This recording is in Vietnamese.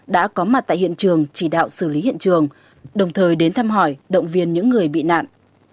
đã có mặt tại hiện trường chỉ đạo xử lý hiện trường đồng thời đến thăm hỏi động viên những người bị nạn